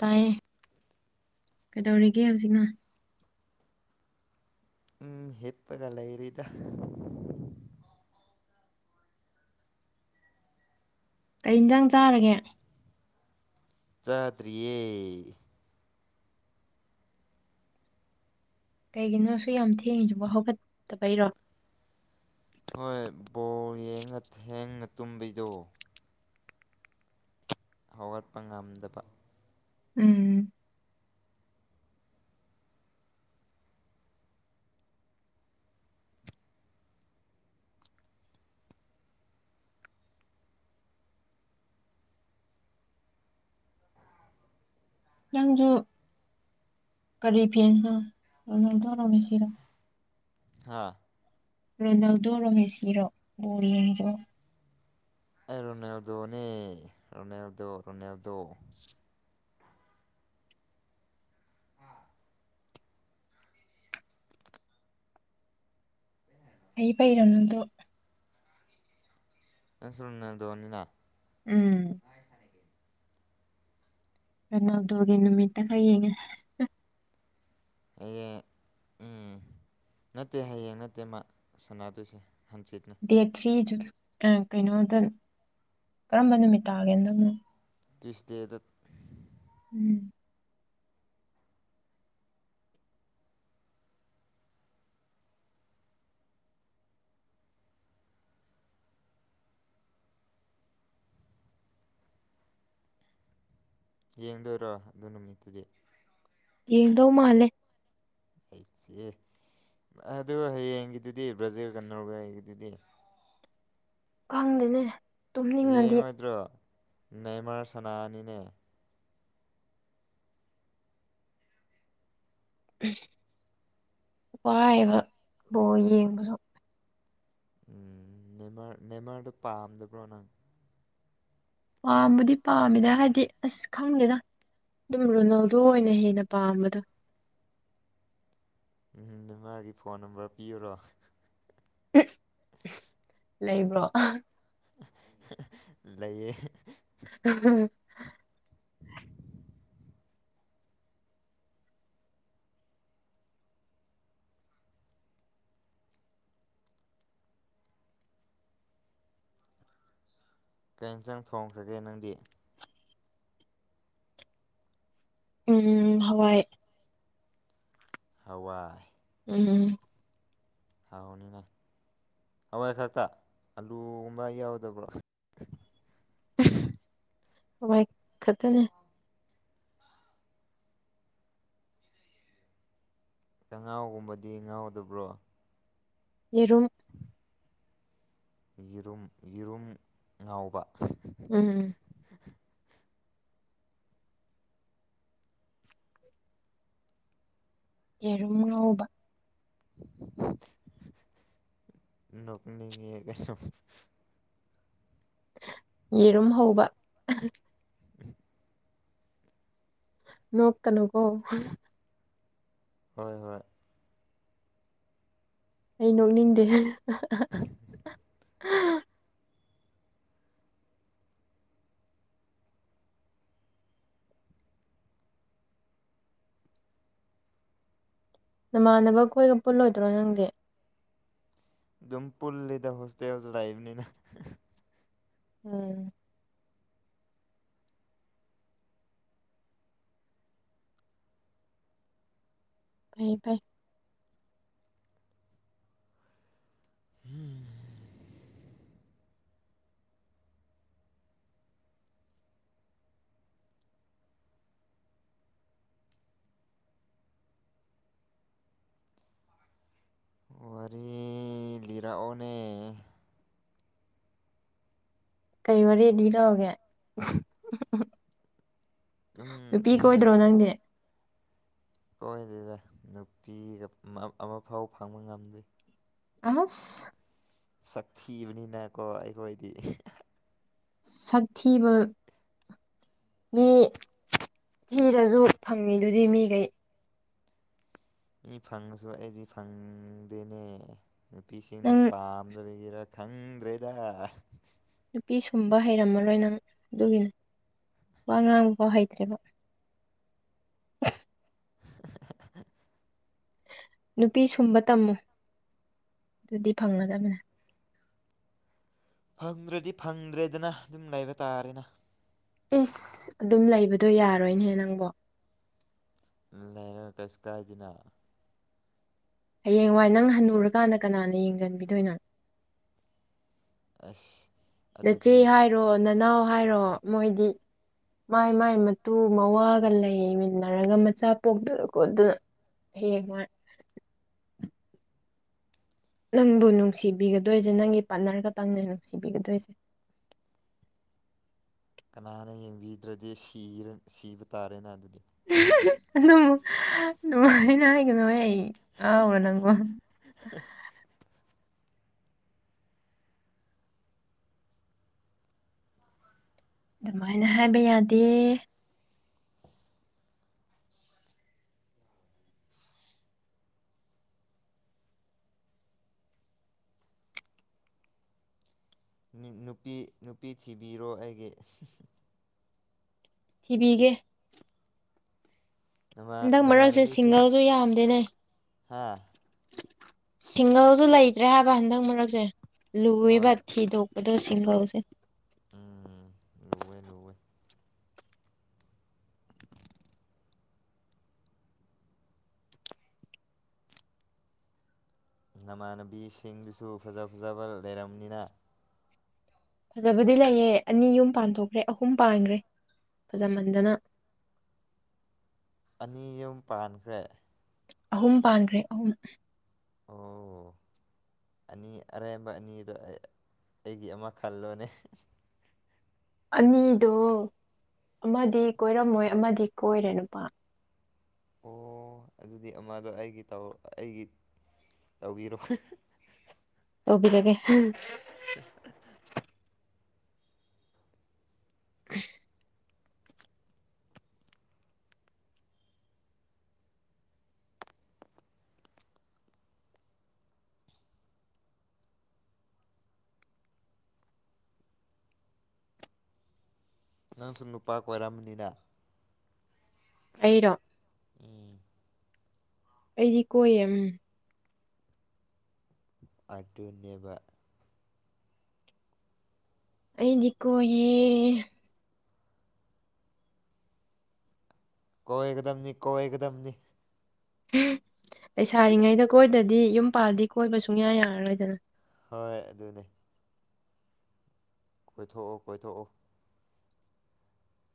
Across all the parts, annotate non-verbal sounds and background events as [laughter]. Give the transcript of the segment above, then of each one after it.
ꯇꯥꯏꯌꯦ ꯀꯩꯗꯧꯔꯤꯒꯦ ꯍꯧꯖꯤꯛꯅ ꯎꯝ ꯍꯦꯞꯒ ꯂꯩ ꯏꯔꯤꯗ ꯀꯩ ꯌꯦꯟꯁꯥꯡ ꯆꯥꯔꯒꯦ ꯆꯥꯇ꯭ꯔꯤꯌꯦ ꯀꯩꯒꯤꯅꯣꯁꯨ ꯌꯥꯝ ꯊꯦꯡꯉꯤꯗꯨꯨꯝꯕ ꯍꯧꯒꯠꯇꯕꯩꯔꯣ ꯍꯣꯏ ꯕꯣ ꯊꯦꯡꯅ ꯇꯨꯝꯕꯩꯗꯣ ꯍꯧꯒꯠꯄ ꯉꯝꯗꯕ ꯎꯝ ꯅꯪꯁꯨ ꯀꯔꯤ ꯐꯦꯟꯁꯅꯣ ꯂꯧꯗꯣꯛꯔꯝꯒ ꯁꯤꯔꯣ ꯍꯥ ꯔꯣꯂꯗꯣ ꯔꯣꯃꯦꯁꯤꯔꯣ ꯒꯣꯦꯟꯖꯣ ꯑꯦ ꯔꯣꯅꯦꯜꯗꯣꯅꯤ ꯔꯅꯦꯜꯗꯣ ꯔꯅꯦꯜꯗꯣ ꯑꯥ ꯑꯩꯏ ꯄꯩꯔꯅꯗꯣ ꯁꯅ ꯇꯣꯉꯅꯤꯅ ꯎꯝ ꯔꯅꯞꯗꯒꯤ ꯅꯨꯃꯤꯠꯠꯇ ꯍꯥꯏꯌꯦꯡꯉꯦ ꯍꯌꯦꯡ ꯎꯝ ꯅꯠꯇꯦ ꯍꯌꯦꯡ ꯅꯠꯇꯦ ꯃꯥ ꯁꯅꯗꯣꯏꯁꯦ ꯗꯦꯠ ꯊ꯭ꯔꯤꯖꯨ ꯀꯩꯅꯣꯗ ꯀꯔꯝꯕ ꯅꯨꯃꯤꯠ ꯇꯥꯒꯦꯗꯪꯅꯣ ꯀꯤꯁ ꯗꯗꯠ ꯎꯝ ꯌꯦꯡꯗꯣꯏꯔꯣ ꯑꯗꯨ ꯅꯨꯃꯤꯠꯇꯨꯗꯤ ꯌꯦꯡꯗꯧ ꯃꯥꯂꯦ ꯑꯩꯆ ꯑꯗꯨ ꯍꯌꯦꯡꯒꯤꯗꯨꯗꯤ ꯕ꯭ꯔꯥꯖꯤꯜ ꯀꯟꯅꯣꯒ ꯍꯌꯦꯡꯒꯤꯗꯨꯗꯤ ꯈꯪꯗꯅꯦ ꯌꯦꯡꯉꯣꯏꯗ꯭ꯔꯣ ꯅꯩꯃꯔ ꯁꯅꯥ ꯑꯅꯤꯅꯦ ꯋꯥꯏꯕꯕꯨ ꯌꯦꯡꯕꯗ ꯎꯝ ꯅꯃꯔ ꯅꯦꯃꯔꯗꯣ ꯄꯥꯝꯗꯕ꯭ꯔꯣ ꯅꯪ ꯄꯥꯕꯨꯗꯤ ꯄꯥꯝꯃꯤꯅ ꯍꯥꯏꯗꯤ ꯑꯁ ꯈꯪꯗꯦꯅ ꯑꯗꯨꯝ ꯔꯣꯅꯥꯜꯗꯣ ꯑꯣꯏꯅ ꯍꯦꯟꯅ ꯄꯥꯝꯕꯗꯣ ꯎꯝ ꯅ ꯃꯥꯒꯤ ꯐꯣꯟ ꯅꯝꯕꯔ ꯄꯤꯌꯨꯔꯣ ꯂꯩꯕ꯭ꯔꯣ ꯂꯩꯌꯦ ꯀꯔꯤꯝꯇꯪ ꯊꯣꯡꯈ꯭ꯔꯒꯦ ꯅꯪꯗꯤ ꯎꯝ ꯍꯋꯥꯏ ꯍꯋꯥꯏ ꯎꯝ ꯍꯥꯎꯅꯤꯅꯦ ꯍꯋꯥꯏ ꯈꯛꯇ ꯑꯂꯨꯒꯨꯝꯕ ꯌꯥꯎꯗꯕ꯭ꯔꯣ ꯍꯋꯥꯏ ꯈꯛꯇꯅꯦ ꯉꯥꯎꯒꯨꯝꯕꯗꯤ ꯉꯥꯎꯗꯕ꯭ꯔꯣ ꯌꯦꯔꯨꯝ ꯌꯦꯔꯨꯝ ꯌꯦꯔꯨꯝ ꯉꯥꯎꯕ ꯎꯝ ꯌꯦꯔꯨꯝ ꯉꯎꯕ ꯅꯅꯤ ꯀꯩꯅꯁꯨ ꯌꯦꯔꯨꯝ ꯍꯧꯕ ꯅꯣꯛꯣꯛꯀ ꯅꯒꯣ ꯍꯣꯏ ꯍꯣꯏ ꯑꯩ ꯅꯣꯛꯅꯤꯡꯗꯦ ꯅꯃꯥꯟꯅꯕ ꯀꯣꯏꯒ ꯄꯨꯜꯂꯣꯏꯗ꯭ꯔꯣ ꯅꯪꯗꯤ ꯑꯗꯨꯝ ꯄꯨꯜꯂꯤꯗ ꯍꯣꯁꯇꯦꯜꯗ ꯂꯩꯥꯛꯕꯅꯤꯅ ꯎꯝ ꯐꯩ ꯐꯥꯏ ꯋꯥꯔꯤ ꯂꯩꯔ ꯑꯣꯅꯦ ꯀꯩ ꯋꯥꯔꯤꯦ ꯂꯤ ꯂꯧꯥꯛꯑꯣꯒꯦ ꯑꯗꯨꯝ ꯅꯨꯄꯤ ꯀꯣꯏꯗ꯭ꯔꯣ ꯅꯪꯗꯤ ꯑꯩꯣꯏ ꯑꯗꯨꯗ ꯅꯨꯄꯤꯒ ꯑꯃꯐꯥꯎ ꯐꯪꯕ ꯉꯝꯗ꯭ꯦ ꯑꯁ ꯁꯛꯊꯤꯕꯅꯤꯅꯀꯣ ꯑꯩꯈꯣꯏꯗꯤ ꯁꯛꯊꯤꯕ ꯃꯤ ꯊꯤꯔꯁꯨ ꯐꯪꯉꯤꯗꯨꯗꯤ ꯃꯤꯈꯩ ꯃꯤ ꯐꯪꯉꯁꯨ ꯑꯩꯗꯤ ꯐꯪꯗꯦꯅꯦ ꯅꯨꯄꯤꯁꯤꯡꯅ ꯅꯪ ꯄꯥꯝꯗꯕꯒꯤꯔꯛ ꯈꯪꯗ꯭ꯔꯦꯗ ꯅꯨꯄꯤ ꯁꯨꯝꯕ ꯍꯩꯔꯝꯃꯔꯣꯏ ꯅꯪ ꯑꯗꯨꯒꯤꯅꯤ ꯋꯥ ꯉꯥꯡꯕ ꯍꯩꯇ꯭ꯔꯦꯕ ꯅꯨꯄꯤ ꯁꯨꯝꯕ ꯇꯝꯃꯨ ꯑꯗꯨꯗꯤ ꯐꯪꯒꯗꯕꯅꯦ ꯐꯪꯗ꯭ꯔꯗꯤ ꯐꯪꯗ꯭ꯔꯦꯗꯅ ꯑꯗꯨꯝ ꯂꯩꯕ ꯇꯥꯔꯦꯅ ꯏꯁꯁ ꯑꯗꯨꯝ ꯂꯩꯕꯗꯣ ꯌꯥꯔꯣꯏꯅꯦꯍ ꯅꯪꯕ ꯅꯅ ꯀꯩꯁꯤ ꯀꯗꯅ ꯍꯌꯦꯡꯋꯥꯏ ꯅꯪ ꯍꯟꯅꯨꯔꯀꯥꯟꯗ ꯀꯅꯥꯅ ꯌꯦꯡꯁꯤꯟꯕꯤꯗꯣꯏꯅꯣ ꯑꯁ ꯅꯆꯦ ꯑꯗꯨꯗꯤ ꯍꯥꯏꯔꯣ ꯅꯅꯥꯎ ꯍꯥꯏꯔꯣ ꯃꯣꯏꯗꯤ ꯃꯥꯏ ꯃꯥꯏ ꯃꯇꯨ ꯃꯋꯥꯒ ꯂꯩꯃꯤꯟꯅꯔꯒ ꯃꯆꯥ ꯄꯣꯛꯇꯗꯀꯣ ꯑꯗꯨꯅ ꯍꯦ ꯃꯥ ꯅꯪꯕꯨ ꯅꯨꯡꯁꯤꯕꯤꯒꯗꯣꯏꯁꯦ ꯅꯪꯒꯤ ꯄꯥꯔꯠꯅꯔꯒꯇꯪꯅ ꯅꯨꯡꯁꯤꯕꯤꯒꯗꯣꯏꯁꯦ [unintelligible] ꯀꯅꯥꯅ ꯌꯦꯡꯕꯤꯗ꯭ꯔꯗꯤ ꯁꯤꯕ ꯇꯥꯔꯦꯅ ꯑꯗꯨꯗꯤ ꯑꯗꯨꯝꯉꯥꯏꯅ ꯍꯥꯏꯒꯅꯣ ꯑꯩ ꯑꯔꯣ ꯅꯪ ꯋꯥ ꯑꯗꯨꯃꯥꯏꯅ ꯍꯥꯏꯕ ꯌꯥꯗꯦ ꯅꯨꯄꯤ ꯅꯨꯄꯤ ꯊꯤꯕꯤꯔꯣ ꯑꯩꯒꯤ ꯊꯤꯕꯤꯒꯦ ꯅꯃꯥ ꯍꯟꯗꯛ ꯃꯔꯛꯁꯦ ꯅꯃꯥꯟꯅꯕꯤꯁꯤꯡ ꯁꯤꯡꯒꯜꯁꯨ ꯌꯥꯝꯗꯦꯅꯦ ꯍꯥ ꯁꯤꯡꯒꯜꯁꯨ ꯂꯩꯇ꯭ꯔꯦ ꯍꯥꯏꯕ ꯍꯟꯗꯛ ꯃꯔꯛꯁꯦ ꯂꯨꯕ ꯍꯣꯏ ꯊꯤꯗꯣꯛ ꯑꯣꯗꯣꯁꯤꯡꯒꯥꯁꯦ ꯎꯝ ꯂꯦ ꯂꯦ ꯅꯃꯥꯟꯅꯕꯤꯁꯤꯡꯗꯨꯁꯨ ꯐꯖ ꯐꯖꯕ ꯂꯩꯔꯕꯅꯤꯅ ꯐꯖꯕꯗꯤ ꯂꯩꯌꯦ ꯑꯅꯤ ꯌꯨꯝ ꯄꯥꯟꯊꯣꯛꯈ꯭ꯔꯦ ꯑꯍꯨꯝ ꯄꯥꯟꯈ꯭ꯔꯦ ꯐꯖꯃꯟꯗꯅ [unintelligible] ꯑꯅꯤ ꯌꯨꯝ ꯄꯥꯟꯈ꯭ꯔꯦ ꯑꯍꯨꯝ ꯄꯥꯟꯈ꯭ꯔꯦ ꯑꯍꯨꯝ ꯑꯣ ꯑꯅꯤ ꯑꯔꯦꯝꯕ ꯑꯅꯤꯗꯣ ꯑꯩꯒꯤ ꯑꯃ ꯈꯜꯂꯣꯅꯦ ꯑꯅꯤꯗꯣ ꯑꯃꯗꯤ ꯀꯣꯏꯔꯝꯃꯣꯏ ꯑꯃꯗꯤ ꯀꯣꯏꯔꯦ ꯅꯨꯄꯥ ꯑꯣ ꯑꯗꯨꯗꯤ ꯑꯃꯗꯣ ꯑꯩꯒꯤ ꯇ ꯑꯩꯒꯤ ꯇꯧꯕꯤꯔꯣ ꯑꯣꯕꯤꯔꯒꯦ [inaudible] [inaudible] ꯅꯪꯁꯨ ꯅꯨꯄꯥ ꯀꯣꯏꯔꯝꯕꯅꯤꯗ ꯑꯩꯩꯅ ꯎꯝ ꯑꯩꯗꯤ ꯀꯣꯏꯌꯦ ꯑꯗꯨꯅꯦꯕ ꯑꯩꯗꯤꯀꯣ ꯍꯌꯦ ꯀꯣꯏꯒꯗꯝꯅꯤ ꯀꯣꯏꯒꯗꯝꯅꯤ ꯂꯩꯁꯥꯔꯤꯉꯩꯗ ꯀꯣꯏꯗꯗꯤ ꯌꯨꯝ ꯄꯥꯜꯗꯤ ꯀꯣꯏꯕ ꯁꯨꯡꯌꯥ ꯌꯥꯔꯔꯣꯏꯗꯅ ꯍꯣꯏ ꯑꯗꯨꯅꯦ ꯀꯣꯏꯊꯣꯛꯑꯣ ꯀꯣꯏꯊꯣꯛꯑꯣ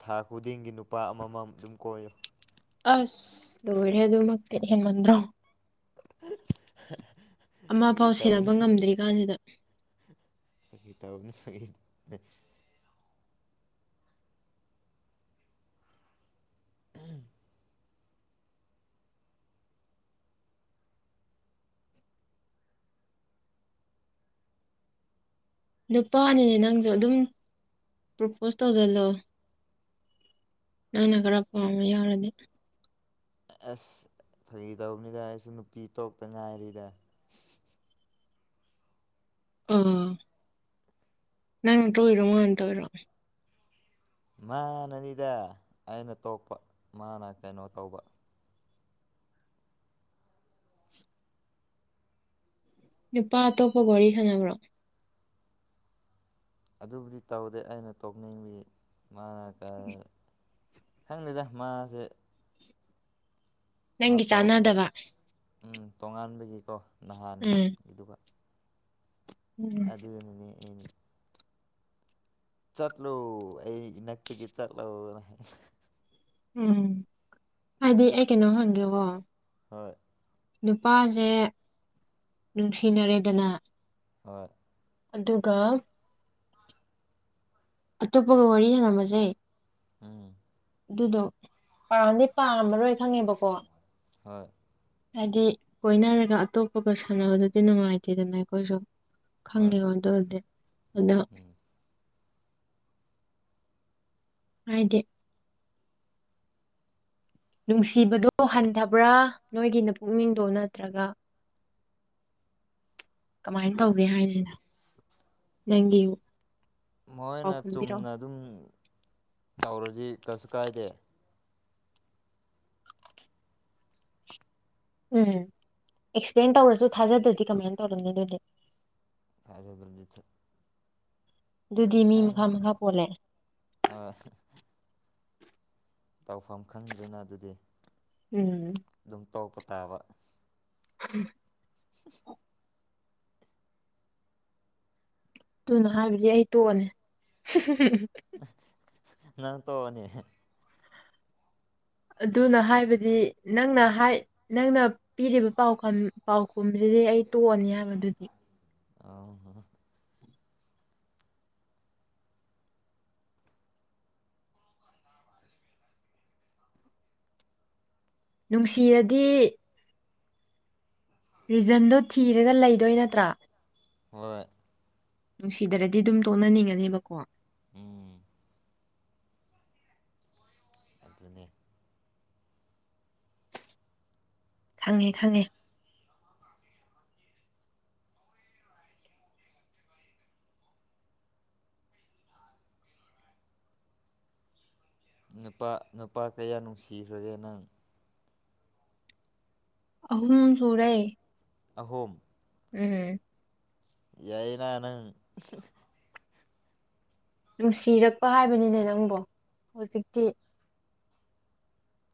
ꯊꯥ ꯈꯨꯗꯤꯡꯒꯤ ꯅꯨꯄꯥ ꯑꯃꯃꯝ ꯑꯗꯨꯝ ꯀꯣꯏꯌꯨ ꯑꯁ ꯂꯣꯏꯔꯦ ꯑꯗꯨꯃꯛꯇꯤ ꯍꯦꯟꯃꯟꯗ꯭ꯔꯣ ꯑꯃ ꯐꯥꯒꯤ ꯄꯥꯎ ꯁꯦꯟꯅꯕ ꯇꯧꯕꯅꯤ ꯉꯝꯗ꯭ꯔꯤ ꯀꯥꯟꯁꯤꯗ ꯐꯥꯀꯤ ꯇꯕꯨꯅꯤ ꯐꯥꯒꯤ ꯅꯨꯄꯥꯅꯤꯅꯦ ꯅꯪꯁꯨ ꯑꯗꯨꯝ ꯄ꯭ꯔꯣꯄꯣꯁ ꯇꯧꯁꯤꯜꯂꯣ ꯅꯪꯅ ꯈꯔ ꯄꯦꯝꯕ ꯌꯥꯎꯔꯗꯤ ꯑꯁ ꯐꯩ ꯇꯧꯕꯅꯤꯗ ꯑꯩꯁꯨ ꯅꯨꯄꯤ ꯇꯣꯛꯇ ꯉꯥꯏꯔꯤꯗ ꯑꯥ ꯅꯪꯅꯇ ꯑꯣꯏꯔꯣꯃꯣꯟꯇ ꯑꯣꯏꯔꯣ ꯃꯥꯅꯅꯤꯗ ꯑꯩꯅ ꯇꯣꯛꯄ ꯃꯥꯅ ꯀꯩꯅꯣ ꯇꯧꯕ ꯅꯨꯄꯥ ꯑꯇꯣꯞꯄꯒꯔꯤ ꯈꯅꯕ꯭ꯔꯣ ꯑꯗꯨꯕꯨꯗꯤ ꯇꯧꯗꯦ ꯑꯩꯅ ꯇꯣꯛꯅꯤꯡꯕꯤ ꯃꯥꯅ ꯈꯪꯗꯦꯗ ꯃꯥꯁꯦ ꯅꯪꯒꯤ ꯃꯇꯧ ꯇꯣꯛ ꯆꯥꯅꯥꯗꯕ ꯎꯝ ꯇꯣꯉꯥꯟꯕꯒꯤꯀꯣ ꯎꯝ ꯅꯍꯥꯟꯒꯤꯗꯨꯒ ꯎꯝ ꯑꯗꯨꯗꯅꯤꯅꯦ ꯑꯩꯅ ꯆꯠꯂꯨ ꯑꯩ ꯏꯅꯛꯇꯒꯤ ꯆꯠꯂꯨꯅ ꯎꯝ ꯍꯥꯏꯗꯤ ꯑꯩ ꯀꯩꯅꯣ ꯍꯪꯒꯦꯕꯣ ꯍꯣꯏ ꯅꯨꯄꯥꯁꯦ ꯅꯨꯡꯁꯤꯅꯔꯦꯗꯅ ꯍꯣꯏ ꯑꯗꯨꯒ ꯑꯇꯣꯞꯄꯒ ꯋꯥꯔꯤ ꯁꯥꯟꯅꯝꯃꯁꯦ ꯎꯝ ꯑꯗꯨꯗꯣ ꯄꯥꯝꯗꯤ ꯄꯥꯝꯃꯔꯣꯏ ꯈꯪꯉꯦꯕꯀꯣ ꯍꯣꯏ ꯍꯥꯏꯗꯤ ꯀꯣꯏꯅꯔꯒ ꯑꯇꯣꯞꯄꯒ ꯁꯥꯟꯅꯕꯗꯗꯤ ꯅꯨꯡꯉꯥꯏꯇꯦꯗꯅ ꯑꯩꯈꯣꯏꯁꯨ ꯍꯣꯏ ꯈꯪꯉꯦ ꯋꯥꯗ ꯑꯗꯨꯗꯦ ꯑꯗ ꯎꯝ ꯍꯥꯏꯗꯤ ꯅꯨꯡꯁꯤꯕꯗꯣ ꯍꯟꯊꯕ꯭ꯔꯥ ꯅꯣꯏꯒꯤꯅ ꯄꯨꯛꯅꯤꯡꯗꯣ ꯅꯠꯇ꯭ꯔꯒ ꯀꯃꯥꯏꯅ ꯇꯧꯒꯦ ꯍꯥꯏꯅꯤꯅ ꯅꯪꯒꯤꯨ ꯃꯣꯏꯅ ꯆꯨꯝꯅ ꯑꯗꯨꯝ ꯇꯧꯔꯗꯤ ꯀꯩꯁꯨ ꯀꯥꯏꯗꯦ ꯎꯝ ꯑꯦꯛꯁꯄ꯭ꯂꯦꯟ ꯇꯧꯔꯁꯨ ꯊꯥꯖꯗ꯭ꯔꯗꯤ ꯀꯃꯥꯏꯅ ꯇꯧꯔꯝꯅꯤ ꯑꯗꯨꯗꯤ ꯑꯗꯨꯖꯤꯊ ꯑꯗꯨꯗꯤ ꯃꯤ ꯃꯈꯥ ꯃꯈꯥ ꯄꯣꯜꯂꯑꯦ ꯍꯣꯏ ꯇꯧꯐꯝ ꯈꯪꯗ꯭ꯔꯦꯅ ꯑꯗꯨꯗꯤ ꯎꯝ ꯑꯗꯨꯝ ꯇꯣꯛꯄ ꯇꯥꯕ ꯎꯝ [unintelligible] ꯑꯗꯨꯨꯅ ꯍꯥꯏꯕꯗꯤ ꯑꯩ ꯇꯣꯛꯑꯅꯤ ꯅ ꯇꯅꯤ ꯑꯗꯨꯅ ꯍꯥꯏꯕꯗꯤ ꯅꯪꯅ ꯅꯪꯅ ꯄꯤꯔꯤꯕ ꯄꯥꯎꯥꯎ ꯀꯨꯝꯁꯤꯗꯤ ꯑꯩ ꯇꯣꯛꯑꯅꯤ ꯍꯥꯏꯕ ꯑꯗꯨꯗꯤ ꯑ ꯍꯣ ꯅꯨꯡꯁꯤꯔꯗꯤ ꯔꯤꯖꯟꯗꯣ ꯊꯤꯔꯒ ꯂꯩꯗꯣꯏ ꯅꯠꯇ꯭ꯔꯥ ꯍ ꯅꯨꯡꯁꯤꯗ꯭ꯔꯗꯤ ꯑꯗꯨꯝ ꯇꯣꯛꯅꯅꯤꯡꯉꯅꯦꯕꯀꯣ ꯎꯝ ꯑꯗꯨꯅꯤ ꯈꯪꯉꯦ ꯈꯪꯉꯦ ꯅꯨꯄꯥ ꯅꯨꯄꯥ ꯀꯌꯥ ꯅꯨꯡꯁꯤꯈ꯭ꯔꯒꯦ ꯅꯪ ꯑꯍꯅꯅ ꯁꯨꯔꯦ ꯑꯍꯨꯝ ꯎꯝ ꯑꯏꯅꯅꯨ ꯅꯨꯡꯁꯤꯔꯛꯄ ꯍꯥꯏꯕꯅꯤꯅꯦ ꯅꯪꯕꯨ ꯍꯧꯖꯤꯛꯇꯤ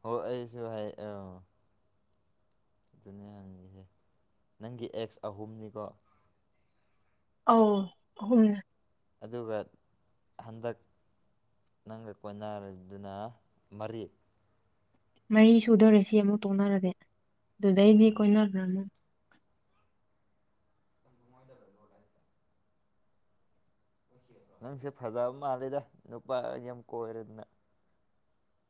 ꯍꯣꯏ ꯑꯩꯁꯨ ꯍꯥꯏ ꯑ ꯑꯗꯨꯅ ꯍꯪꯉꯤꯍꯦ ꯅꯪꯒꯤ ꯑꯦꯛꯁ ꯑꯍꯨꯝꯅꯤꯀꯣ ꯑ ꯍ ꯑꯗꯨꯒ ꯍꯟꯗꯛ ꯅꯪꯒ ꯀꯣꯏꯅꯥꯗꯨꯅ ꯃꯔꯤ ꯃꯔꯤ ꯁꯨꯗꯣꯔꯦ ꯁꯤ ꯑꯃꯨꯛ ꯇꯣꯡꯅꯔꯗꯤꯦ ꯑꯗꯨꯗꯩꯗꯤ ꯀꯣꯏꯅꯈ꯭ꯔꯥꯃꯨ ꯨꯃꯣꯏꯗ ꯅꯪꯁꯦ ꯐꯖꯕ ꯃꯥꯜꯂꯤꯦꯗ ꯅꯨꯄꯥ ꯌꯥꯝ ꯀꯣꯏꯔꯗꯅ